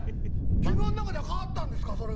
自分の中では変わったんですか？